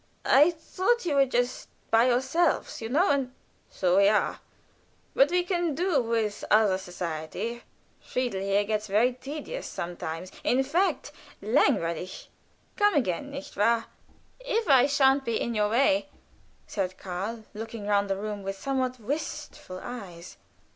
"I thought you were just by yourselves, you know, and " "So we are; but we can do with other society. Friedel here gets very tedious sometimes in fact, langweilig. Come again, nicht wahr?" "If I sha'n't be in your way," said Karl, looking round the room with somewhat wistful eyes.